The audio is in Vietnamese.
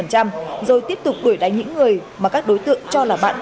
rồi tiếp tục đuổi đánh những người mà các đối tượng cho là bạn